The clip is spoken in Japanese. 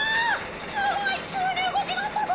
すごい急に動きだしたぞ！